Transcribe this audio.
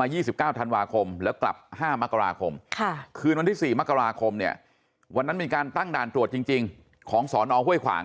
มา๒๙ธันวาคมแล้วกลับ๕มกราคมคืนวันที่๔มกราคมเนี่ยวันนั้นมีการตั้งด่านตรวจจริงของสอนอห้วยขวาง